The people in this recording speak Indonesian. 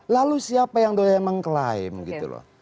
lalu siapa yang doyan mengklaim gitu loh